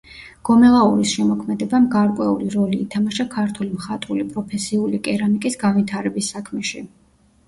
გომელაურის შემოქმედებამ გარკვეული როლი ითამაშა ქართული მხატვრული პროფესიული კერამიკის განვითარების საქმეში.